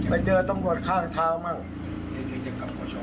ไปเจอต้องรวดข้างเท้าบ้าง